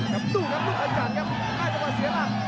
ดูครับดูข้างจากครับน่าจะว่าเสียล่ะ